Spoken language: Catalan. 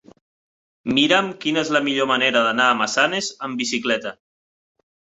Mira'm quina és la millor manera d'anar a Massanes amb bicicleta.